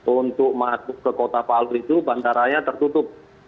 untuk masuk ke kota palu itu bandaranya tertutup